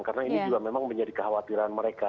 karena ini juga memang menjadi kekhawatiran mereka